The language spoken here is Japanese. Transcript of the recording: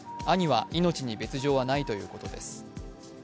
兄は、命に別状はないということです。